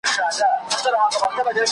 د وطن دفاع کې زه ګولۍ د بم خورم